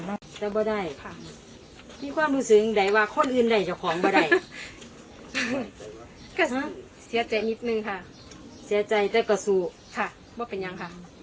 นั่งแต่บ่ได้ค่ะที่ความรู้สึกใดว่าคนอื่นใดจะของ